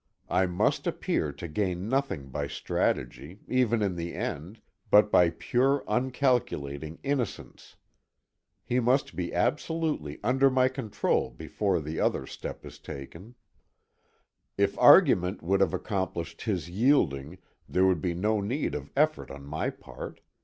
I must appear to gain nothing by strategy, even in the end, but by pure uncalculating innocence. He must be absolutely under my control before one other step is taken. If argument would have accomplished his yielding there would be no need of effort on my part.